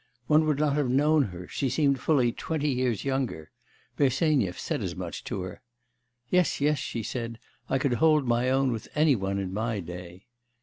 One would not have known her; she seemed fully twenty years younger. Bersenyev said as much to her. 'Yes, yes.' she said; 'I could hold my own with any one in my day.